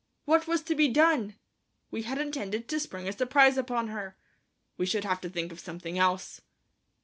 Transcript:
What was to be done? We had intended to spring a surprise upon her. We should have to think of something else.